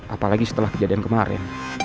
apalagi setelah kejadian kemarin